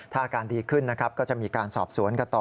ถ้าอาการดีขึ้นก็จะมีการสอบสวนกระต่อ